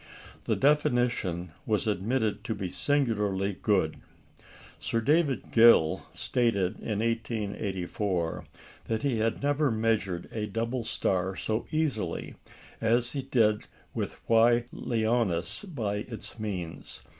The definition was admitted to be singularly good. Sir David Gill stated in 1884 that he had never measured a double star so easily as he did Gamma Leonis by its means.